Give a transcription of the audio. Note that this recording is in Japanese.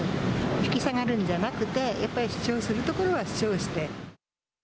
引き下がるんじゃなくて、やっぱり主張するところは主張して。